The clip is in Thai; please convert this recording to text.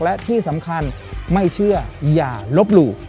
และที่สำคัญไม่เชื่ออย่าลบหลู่